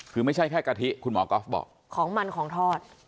คือไม่ใช่แค่กะทิคุณหมอก๊อฟบอกของมันของทอด